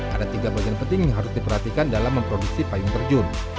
ada tiga bagian penting yang harus diperhatikan dalam memproduksi payung terjun